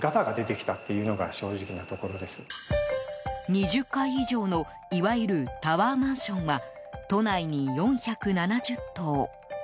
２０階以上のいわゆるタワーマンションは都内に４７０棟。